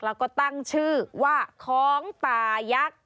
แล้วก็ตั้งชื่อว่าของตายักษ